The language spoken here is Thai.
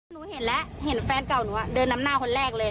หนูเห็นแล้วเห็นแฟนเก่าหนูเดินนำหน้าคนแรกเลย